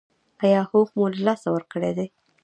ایا هوښ مو له لاسه ورکړی دی؟